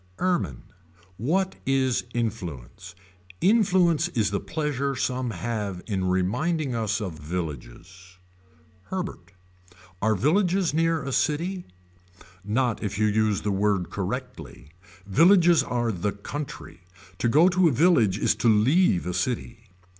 Ermine. What is influence. Influence is the pleasure some have in reminding us of villages. Herbert. Are villages near a city. Not if you use the word correctly. Villages are the country. To go to a village is to leave a city.